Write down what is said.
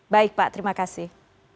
baik pak terima kasih